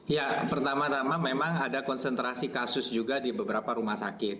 ya pertama tama memang ada konsentrasi kasus juga di beberapa rumah sakit